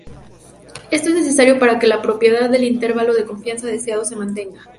Esto es necesario para que la propiedad del intervalo de confianza deseado se mantenga.